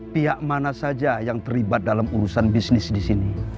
pihak mana saja yang terlibat dalam urusan bisnis disini